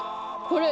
これ。